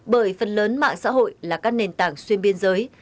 bởi phần lớn mạng xã hội là các nền tảng xuyên biên giới